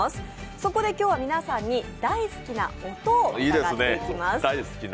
そこで今日は皆さんに大好きな音を伺っていきます。